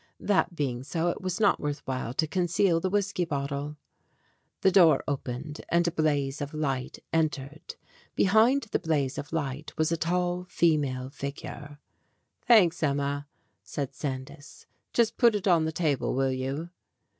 That being so, it was not worth while to conceal the whisky bottle. The door opened, and a blaze of light entered. Be hind the blaze of light was a tall female figure. "Thanks, Emma," said Sandys. "Just put it on the table, will you?"